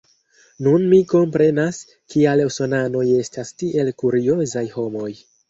Nun mi komprenas, kial usonanoj estas tiel kuriozaj homoj.